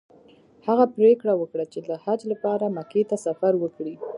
هغه پریکړه وکړه چې د حج لپاره مکې ته سفر وکړي.